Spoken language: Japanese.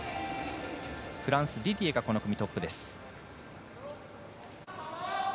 フランス、ディディエがこの組、トップです。